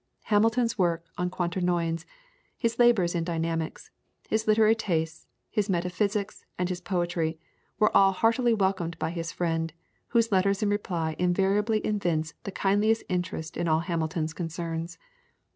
Hamilton's work on Quaternions, his labours in Dynamics, his literary tastes, his metaphysics, and his poetry, were all heartily welcomed by his friend, whose letters in reply invariably evince the kindliest interest in all Hamilton's concerns.